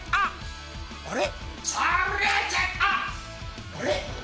あれ？